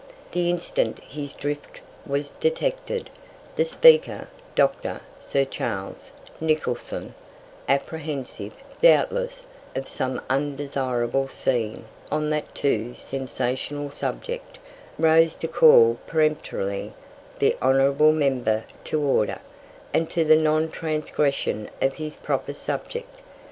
The instant his drift was detected, the Speaker, Dr. (Sir Charles) Nicholson, apprehensive, doubtless, of some undesirable scene on that too sensational subject, rose to call peremptorily the honourable member to order, and to the non transgression of his proper subject.